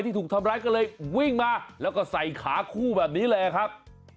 ถูกทำร้ายก็เลยวิ่งมาแล้วก็ใส่ขาคู่แบบนี้เลยครับ